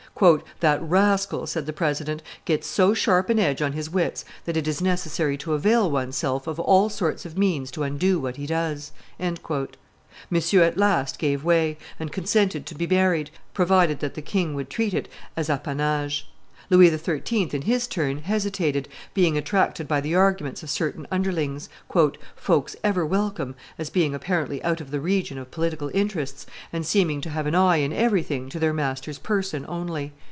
"That rascal," said the president, "gets so sharp an edge on his wits, that it is necessary to avail one's self of all sorts of means to undo what he does." Monsieur at last gave way, and consented to married, provided that the king would treat it as appanage. Louis XIII., in his turn, hesitated, being attracted by the arguments of certain underlings, "folks ever welcome, as being apparently out of the region of political interests, and seeming to have an eye in everything to their master's person only."